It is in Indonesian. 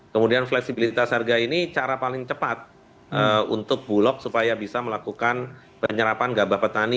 kemudian fleksibilitas harga ini cara paling cepat untuk bulog supaya bisa melakukan penyerapan gabah petani